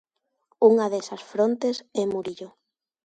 Unha desas frontes é Murillo.